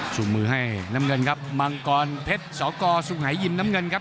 ส่งมือให้น้ำเงินครับมังกรเพชรสกสุงหายิมน้ำเงินครับ